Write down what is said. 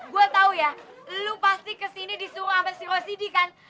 gua tau ya lo pasti kesini disuruh sama si rosidi kan